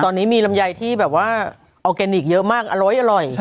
ตอนนี้มีลำไยที่แบบว่าออร์แกนิคเยอะมากอร้อย